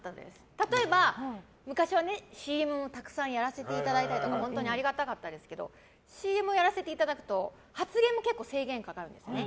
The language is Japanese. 例えば、昔はＣＭもたくさんやらせていただいたりとか本当にありがたかったですけどＣＭをやらせていただくと発言も結構制限かかるんですよね。